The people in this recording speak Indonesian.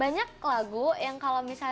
banyak lagu yang kalau misalnya